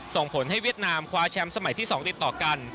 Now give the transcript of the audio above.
ส่งผลให้เวียดนามคว้าแชมป์สมัยที่๒ติดต่อกัน